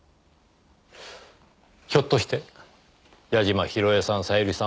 ひょっとして矢嶋広江さん小百合さん